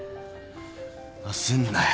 焦んなよ。